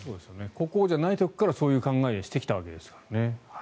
国王じゃない時からそういう考えをしてきたわけですから。